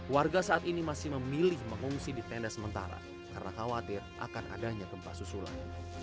warga saat ini masih memilih mengungsi di tenda sementara karena khawatir akan adanya gempa susulan